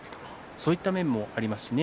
そういった面もありますしね